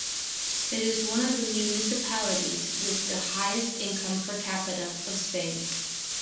It is one of the municipalities with the highest income per capita of Spain.